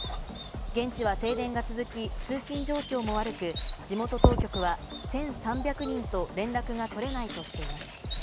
現地は停電が続き、通信状況も悪く、地元当局は１３００人と連絡が取れないとしています。